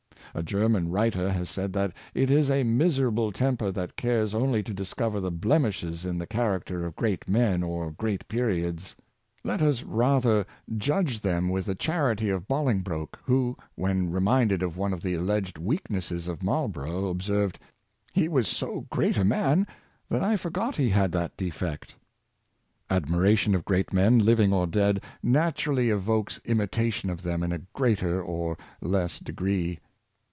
A German writer has said that it is a miserable temper that cares only to discover the blemishes in the character of great men or great periods. Let us rather judge them with the charity of Bolingbroke, who, when reminded of one of the alleged weaknesses of Marlbor 140 Admiration and Imitation. ough, observed, " he was so great a man that I forgot he had that defect." Admiration of great men, Hving or dead, naturally evokes imitation of them in a greater or less degree.